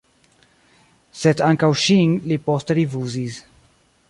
Sed ankaŭ ŝin li poste rifuzis.